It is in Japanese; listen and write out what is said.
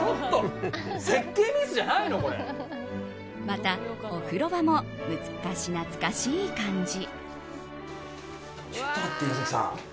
また、お風呂場も昔懐かしい感じ。